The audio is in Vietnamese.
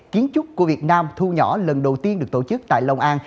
kiến trúc của việt nam thu nhỏ lần đầu tiên được tổ chức tại long an